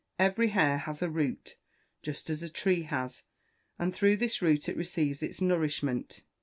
Every hair has a root, just as a tree has, and through this root it receives its nourishment.